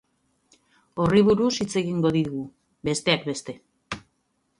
Horri buruz hitz egingo digu, besteak beste.